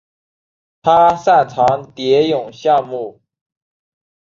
他擅长蝶泳项目。